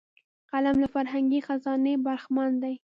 قلم له فرهنګي خزانې برخمن دی